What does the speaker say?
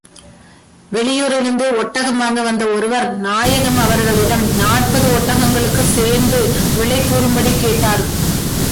வெளியூரிலிருந்து ஒட்டகம் வாங்க வந்த ஒருவர், நாயகம் அவர்களிடம் நாற்பது ஒட்டகங்களுக்கும் சேர்த்து விலை கூறும்படி கேட்டார்.